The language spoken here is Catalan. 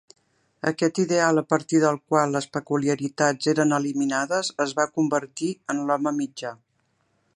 Aquest ideal a partir del qual les peculiaritats eren eliminades es va convertir en "l'home mitjà".